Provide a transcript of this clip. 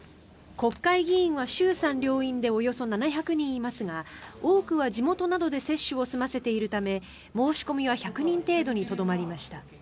国会議員は衆参両院でおよそ７００人いますが多くは地元などで接種を済ませているため申し込みは１００人程度にとどまりました。